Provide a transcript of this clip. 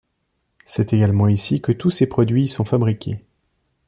C'est également ici que tous ces produits y sont fabriqués.